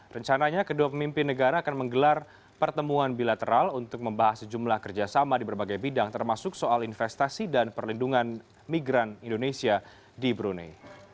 rencananya kedua pemimpin negara akan menggelar pertemuan bilateral untuk membahas sejumlah kerjasama di berbagai bidang termasuk soal investasi dan perlindungan migran indonesia di brunei